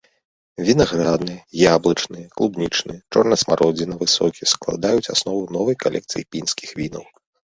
Вінаградны, яблычны, клубнічны, чорнасмародзінавы сокі складаюць аснову новай калекцыі пінскіх вінаў.